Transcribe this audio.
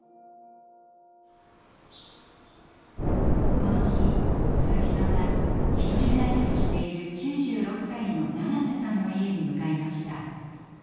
この日鈴木さんはひとり暮らしをしている９６歳の長瀬さんの家に向かいました。